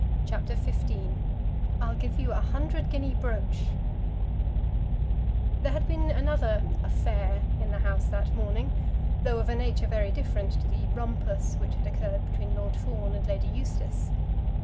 CHAPTER XV "I'll Give You a Hundred Guinea Brooch" There had been another "affair" in the house that morning, though of a nature very different to the "rumpus" which had occurred between Lord Fawn and Lady Eustace.